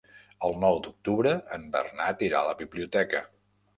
El nou d'octubre en Bernat irà a la biblioteca.